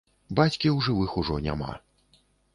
Бацькі ў жывых ужо няма.